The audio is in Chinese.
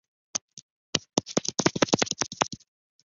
绿水青山就是金山银山